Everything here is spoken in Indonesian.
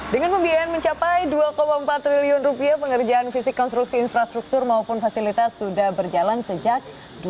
dengan pembiayaan mencapai rp dua empat triliun rupiah pengerjaan fisik konstruksi infrastruktur maupun fasilitas sudah berjalan sejak dua ribu delapan belas